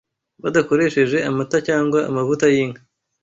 badakoresheje amata cyangwa amavuta y’inka.